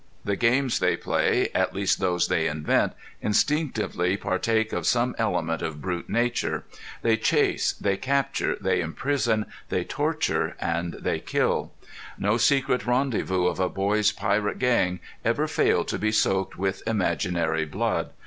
The games they play, at least those they invent, instinctively partake of some element of brute nature. They chase, they capture, they imprison, they torture, and they kill. No secret rendezvous of a boy's pirate gang ever failed to be soaked with imaginary blood!